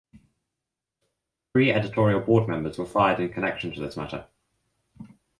Three editorial board members were fired in connection to this matter.